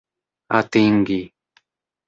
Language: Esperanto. atingi